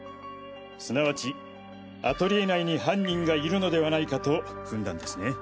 すなわちアトリエ内に犯人がいるのではないかと踏んだんですね。